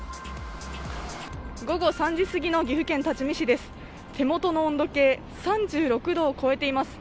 午後３時すぎの岐阜県多治見市です。